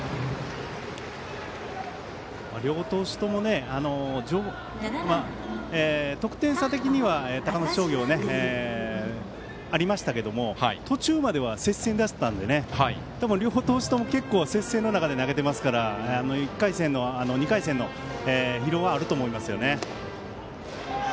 両投手とも得点差的には高松商業、ありましたけれども途中までは接戦だったので両投手とも接戦の中で投げてますから２回戦の疲労はあると思います。